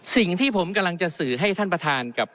สิ่งที่ผมกำลังจะสื่อให้ท่านประธานกับ